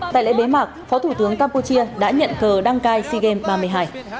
tại lễ bế mạc phó thủ tướng campuchia đã nhận cờ đăng cai sea games ba mươi hai